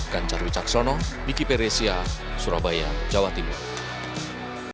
ganjarwi caksono miki peresia surabaya jawa timur